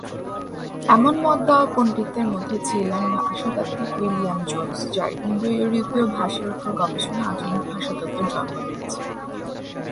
এমন মত দেওয়া পণ্ডিতদের মধ্যে ছিলেন ভাষাতাত্ত্বিক উইলিয়াম জোনস যার ইন্দো-ইউরোপীয় ভাষার উপর গবেষণা আধুনিক ভাষাতত্ত্বের জন্ম দিয়েছে।